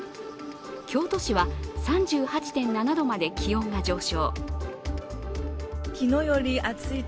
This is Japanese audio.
京都市は３８．７度まで気温が上昇。